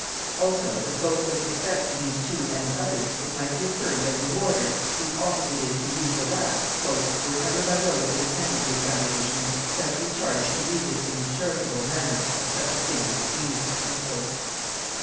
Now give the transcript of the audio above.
Also, that both with respect to these two and others, it might be affirmed, that the warders, whose office it is to use the rack, "were ever by those that attended the examinations specially charged to use it in as charitable a manner as such a thing might be."